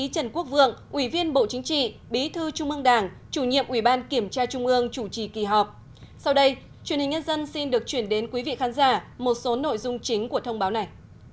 sau đây truyền hình nhân dân xin được chuyển đến quý vị khán giả một số nội dung chính của thông báo này